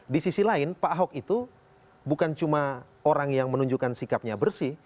di sisi lain pak ahok itu bukan cuma orang yang menunjukkan sikapnya bersih